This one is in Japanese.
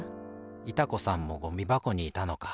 いた子さんもゴミばこにいたのか。